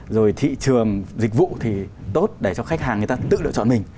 rồi thị trường dịch vụ thì tốt để cho khách hàng người ta tự lựa chọn mình